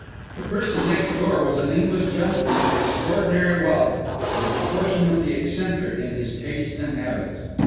The person next door was an English gentleman of extraordinary wealth, and proportionately eccentric in his tastes and habits.